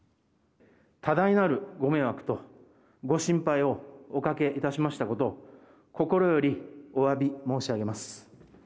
多大なるご迷惑とご心配をおかけいたしましたこと、心よりおわび申し上げます。